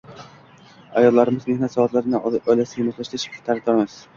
Ayollarning mehnat soatlarini oilasiga moslashtirish tarafdorimiz